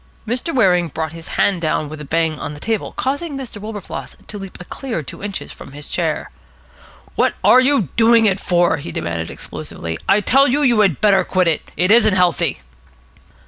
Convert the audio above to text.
Mr. Waring brought his hand down with a bang on the table, causing Mr. Wilberfloss to leap a clear two inches from his chair. "What are you doing it for?" he demanded explosively. "I tell you, you had better quit it. It isn't healthy."